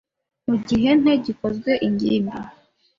Mu gihe nte gikozwe ingimbi